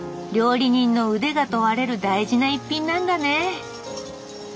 料理人の腕が問われる大事な一品なんだね。